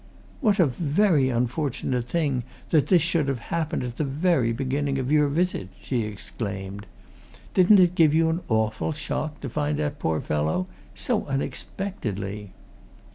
"What a very unfortunate thing that this should have happened at the very beginning of your visit!" she exclaimed. "Didn't it give you an awful shock, to find that poor fellow? so unexpectedly!"